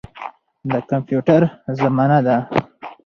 د کمپیوټر زمانه ده.